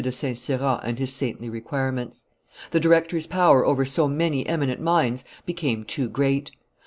de St. Cyran and his saintly requirements. The director's power over so many eminent minds became too great.